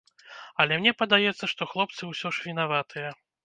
Але мне падаецца, што хлопцы ўсё ж вінаватыя.